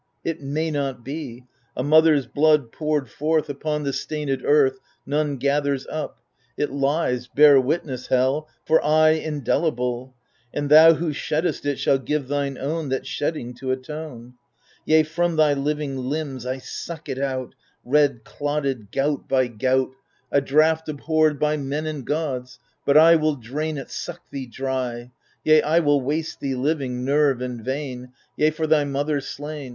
It may not be I a mother's blood, poured forth Upon the stainM earth. None gathers up : it lies — bear witness. Hell 1 — For aye indelible I And thou who sheddest it shalt give thine own That shedding to atone ! Yea, from thy living limbs I suck it out. Red, clotted, gout by gout, — THE FURIES 149 A draught abhorred of men and gods ; but I Will drain it, suck thee dry ; Yea, I will waste thee living, nerve and vein ; Yea, for thy mother slain.